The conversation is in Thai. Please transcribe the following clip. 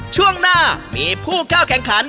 ช่วงหน้ามีผู้เข้าแข่งขัน